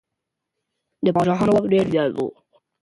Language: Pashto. د پاچاهانو واک ډېر زيات و.